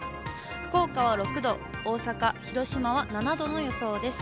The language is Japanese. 福岡は６度、大阪、広島は７度の予想です。